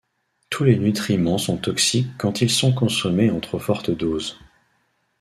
Tous les nutriments sont toxiques quand ils sont consommés en trop fortes doses.